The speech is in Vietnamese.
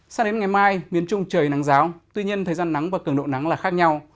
sao đến ngày mai miền trung trời nắng ráo tuy nhiên thời gian nắng và cường độ nắng là khác nhau